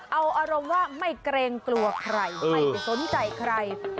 เอาอารมณ์ว่าไม่เกรงกลัวใครไม่ได้สนใจใคร